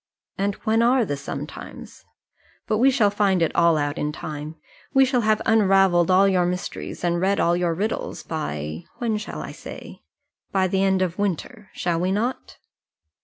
"And when are the sometimes? But we shall find it all out in time. We shall have unravelled all your mysteries, and read all your riddles, by when shall I say? by the end of the winter. Shall we not?"